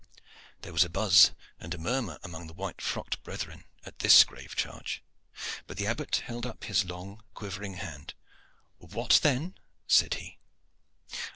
There was a buzz and murmur among the white frocked brethren at this grave charge; but the Abbot held up his long quivering hand. "What then?" said he.